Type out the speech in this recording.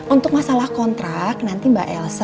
untuk masalah kontrak nanti mbak elsa